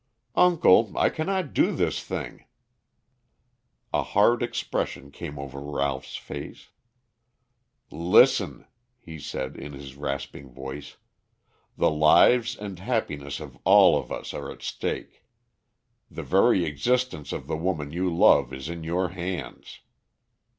"Uncle, I cannot do this thing." A hard expression came over Ralph's face. "Listen," he said in his rasping voice. "The lives and happiness of us all are at stake. The very existence of the woman you love is in your hands."